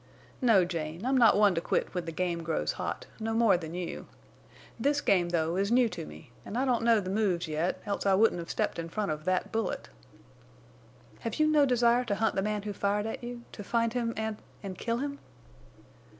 "No, Jane, I'm not one to quit when the game grows hot, no more than you. This game, though, is new to me, an' I don't know the moves yet, else I wouldn't have stepped in front of that bullet." "Have you no desire to hunt the man who fired at you—to find him—and—and kill him?"